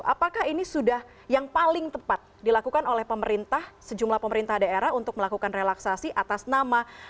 apakah ini sudah yang paling tepat dilakukan oleh pemerintah sejumlah pemerintah daerah untuk melakukan relaksasi atas nama